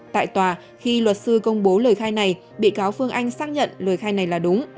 tại tòa khi luật sư công bố lời khai này bị cáo phương anh xác nhận lời khai này là đúng